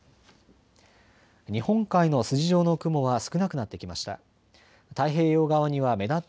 日本海の筋状の雲は少なくなってきました。